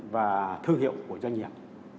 và thương hiệu của doanh nghiệp